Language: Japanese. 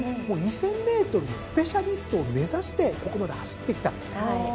もう２，０００ｍのスペシャリストを目指してここまで走ってきた。